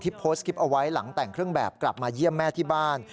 โพสต์คลิปเอาไว้หลังแต่งเครื่องแบบกลับมาเยี่ยมแม่ที่บ้าน